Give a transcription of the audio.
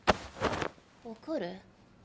怒る？